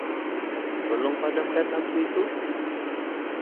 Tolong padamkan lampu itu.